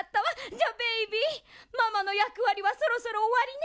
じゃベイビーママのやくわりはそろそろおわりね。